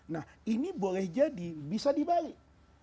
nah ini boleh jadi bisa dibalik